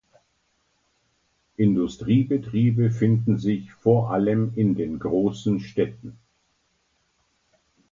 Industriebetriebe finden sich vor allem in den großen Städten.